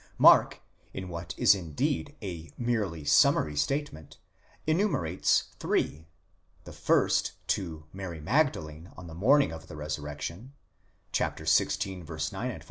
Mark, in what is indeed a merely summary statement, enume rates three: the first, to Mary Magdalene on the morning of the resurrection (xvi. 9 f.)